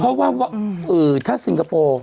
เพราะว่าถ้าซิงคโปร์